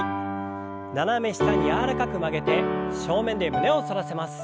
斜め下に柔らかく曲げて正面で胸を反らせます。